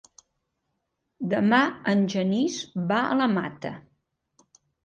Demà en Genís va a la Mata.